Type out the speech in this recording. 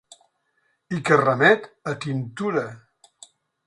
I que remet a tintura.